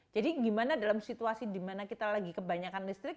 gimana dalam situasi dimana kita lagi kebanyakan listrik